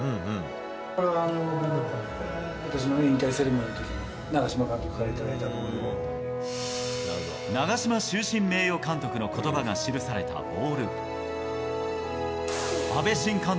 これは、私の引退セレモニーのときに、長嶋終身名誉監督のことばが記されたボール。